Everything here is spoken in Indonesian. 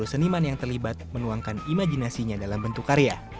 dua puluh seniman yang terlibat menuangkan imajinasinya dalam bentuk karya